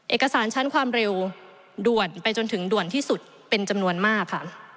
เอกสารชั้นความเร็วด่วนไปจนถึงด่วนที่สุดเป็นจำนวนมากค่ะ